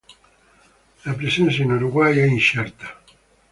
La presenza in Uruguay è incerta.